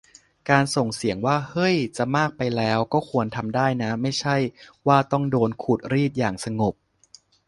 การส่งเสียงว่า "เฮ้ย จะมากไปแล้ว" ก็ควรทำได้นะ ไม่ใช่ว่าต้องโดนขูดรีดอย่างสงบ